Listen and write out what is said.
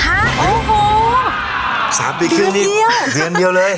ฮะโอ้โห๓ปีครึ่งนี่เดือนเดียวเลย